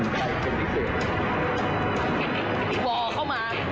ของท่านได้เสด็จเข้ามาอยู่ในความทรงจำของคน๖๗๐ล้านคนค่ะทุกท่าน